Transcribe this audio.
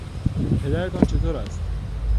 پدرتان چطور است؟